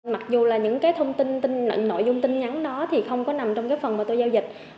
mặc dù là những cái thông tin nội dung tin nhắn đó thì không có nằm trong cái phần mà tôi giao dịch